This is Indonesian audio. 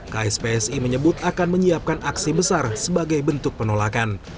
kspsi menyebut akan menyiapkan aksi besar sebagai bentuk penolakan